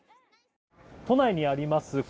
都内にあります